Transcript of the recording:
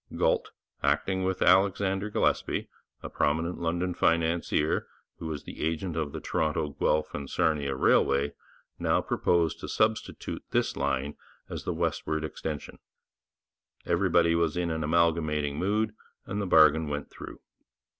Galt, acting with Alexander Gillespie, a prominent London financier who was the agent of the Toronto, Guelph and Sarnia Railway, now proposed to substitute this line as the westward extension. Everybody was in an amalgamating mood, and the bargain went through.